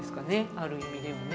ある意味でもね。